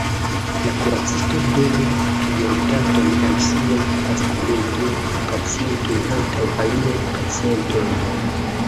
La kuracistoj donu prioritaton al siaj fastlege-pacientoj antaŭ aliaj pacientoj.